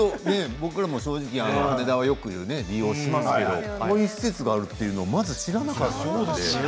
僕らも正直羽田はよく利用しますけれどもこういう施設があるというのもまず知らなかったし。